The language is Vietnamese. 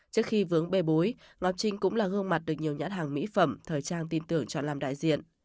trước khi vướng bê bối ngọc trinh cũng là gương mặt được nhiều nhãn hàng mỹ phẩm thời trang tin tưởng chọn làm đại diện